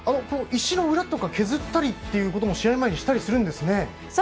石の裏とか削ったりということも試合前にしたりするんですね。